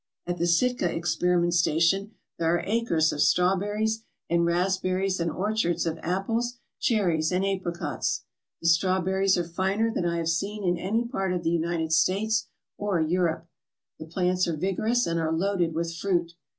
At the Sitka experiment station there are acres of straw berries and raspberries and orchards of apples, cherries, and apricots. The strawberries are finer than I have seen in any part of the United States or Europe. The plants are vigorous and are loaded with fruit.